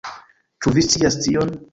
Ĉu vi scias tion?